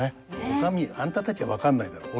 「お上あんたたちは分かんないだろう。